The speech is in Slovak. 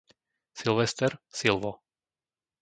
Silvester, Silvo